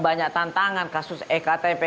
banyak tantangan kasus ektp